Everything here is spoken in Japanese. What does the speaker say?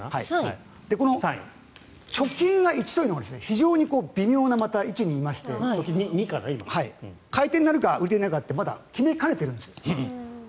この貯金が１というのが非常に微妙な位置にいまして買い手になるか売り手になるかというのはまだ決めかねてるんです。